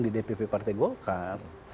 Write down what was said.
di dpp partai golkar